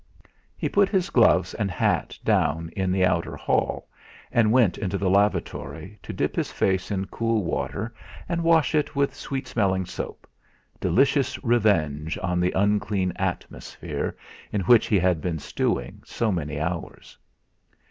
He put his gloves and hat down in the outer hall and went into the lavatory, to dip his face in cool water and wash it with sweet smelling soap delicious revenge on the unclean atmosphere in which he had been stewing so many hours.